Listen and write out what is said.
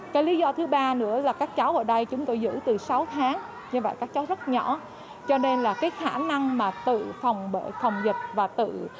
cái lý do thứ ba nữa là các cháu ở đây chúng tôi giữ từ sáu tháng như vậy các cháu rất nhỏ cho nên là cái khả năng mà tự phòng dịch và tự